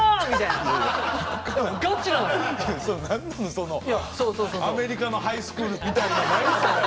そのアメリカのハイスクールみたいな何それ。